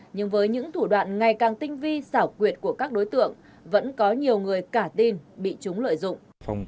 nhưng với những thủ đoạn ngày càng tinh vi xảo quyệt của các đối tượng vẫn có nhiều người cả tin bị chúng lợi dụng